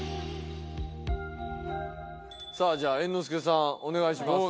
さあじゃあ猿之助さんお願いします。